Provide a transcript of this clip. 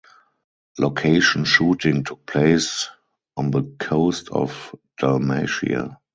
Location shooting took place on the coast of Dalmatia.